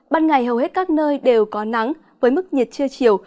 ban ngày hầu hết các nơi đều có nắng với mức nhiệt trưa chiều